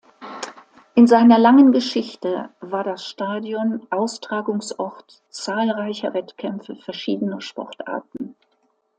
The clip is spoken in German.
In seiner langen Geschichte war das Stadion Austragungsort zahlreicher Wettkämpfe verschiedener Sportarten.